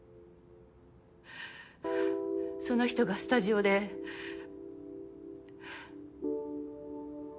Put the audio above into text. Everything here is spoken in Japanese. はぁその人がスタジオではぁ。